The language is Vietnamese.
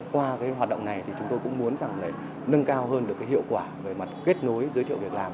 qua hoạt động này thì chúng tôi cũng muốn nâng cao hơn được hiệu quả về mặt kết nối giới thiệu việc làm